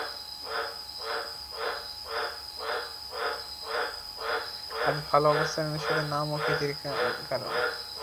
আজ ভালো অবস্থানের সাথে নাম এবং খ্যাতির কারণ।